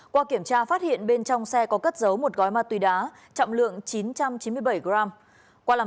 qua kiểm tra phát hiện bên trong xe có cất giấu một gói ma túy đá trọng lượng chín trăm chín mươi bảy gram